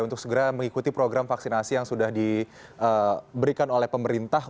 untuk segera mengikuti program vaksinasi yang sudah diberikan oleh pemerintah